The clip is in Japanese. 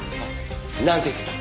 なんて言ってた？